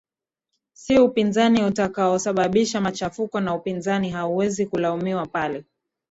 si upinzani utakao sababisha machafuko na upinzani hauwezi kulaumiwa pale